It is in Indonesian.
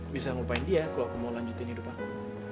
bisa ngupain dia kalo aku mau lanjutin hidup aku